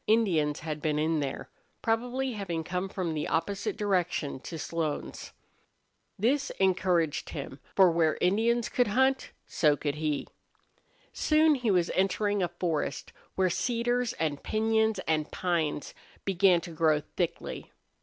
Indians had been in there, probably having come from the opposite direction to Slone's. This encouraged him, for where Indians could hunt so could he. Soon he was entering a forest where cedars and piñons and pines began to grow thickly.